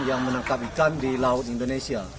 yang menangkap ikan di laut indonesia